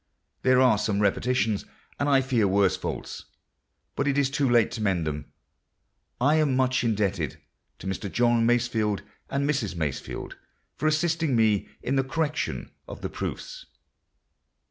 There are some repetitions, and I fear worse faults; but it is too late to mend them. I am much indebted to Mr. John Masefield and Mrs. Masefield for assisting me in the correction of the proofs.